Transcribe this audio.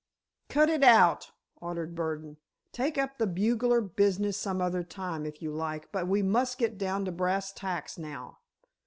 "Cut it out," ordered Burdon. "Take up the bugler business some other time, if you like—but we must get down to brass tacks now."